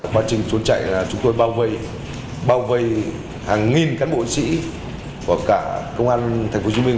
quá trình trốn chạy là chúng tôi bao vây hàng nghìn cán bộ sĩ của cả công an tp hồ chí minh